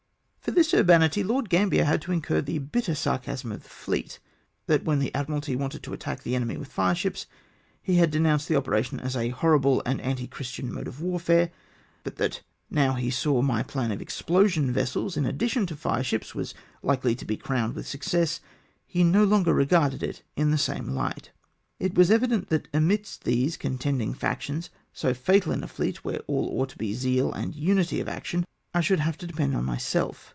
For this m^banity Lord Gambler had to incur the bitter sarcasm of the fleet — that when the Admiralty wanted to attack the enemy Avith fire ships, he had denounced the operation as a " horrible and anti Christian mode of warfare ;" but that now he saw my plan of explosion vessels, in addition to fire ships, was likely to be crowned with success, he no longer re garded it in the same hght. It was evident that amidst these contending factions, so fatal in a fleet where all ought to be zeal and unity of action — I should have to depend on myself.